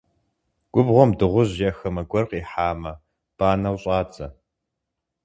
Губгъуэм дыгъужь е хамэ гуэр къихьамэ, банэу щӀадзэ.